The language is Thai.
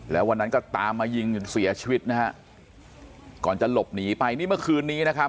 แล้ววันนั้นก็ตามมายิงจนเสียชีวิตนะฮะก่อนจะหลบหนีไปนี่เมื่อคืนนี้นะครับ